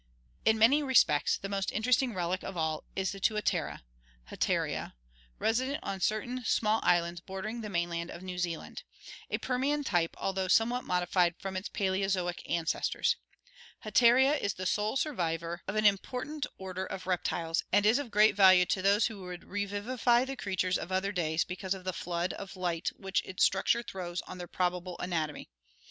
In many respects the most interesting relic of all is the tuatera (flair teria) resident on certain small islands bordering the mainland of New Zealand — a Permian type although somewhat modified from its Paleozoic ancestors, HaUeria is the sole survivor of an im 220 ORGANIC EVOLUTION portant order of reptiles and is of great value to those who would revivify the creatures of other days because of the flood of light which its structure throws on their probable anatomy.